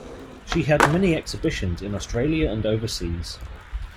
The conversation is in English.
She had many exhibitions in Australia and overseas.